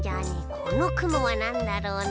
このくもはなんだろうな。